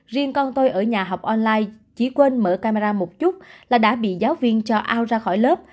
riêng con tôi ở nhà học online chỉ quên mở camera một chút là đã bị giáo viên cho ao ra khỏi lớp